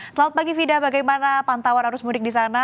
selamat pagi fida bagaimana pantauan arus mudik di sana